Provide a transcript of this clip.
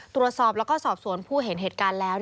ตรวจสอบแล้วก็สอบสวนผู้เห็นเหตุการณ์แล้ว